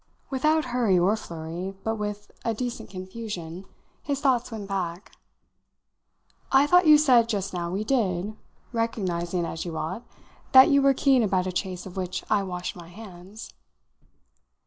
Without hurry or flurry, but with a decent confusion, his thoughts went back. "I thought you said just now we did recognising, as you ought, that you were keen about a chase of which I washed my hands."